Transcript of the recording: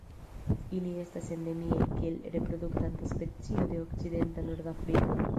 Ili estas endemiaj kiel reproduktanta specio de okcidenta Nordafriko.